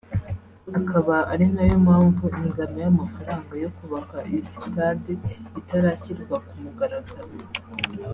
akaba ari nayo mpamvu ingano y’amafaranga yo kubaka iyo sitade itarashyirwa ku mugaragaro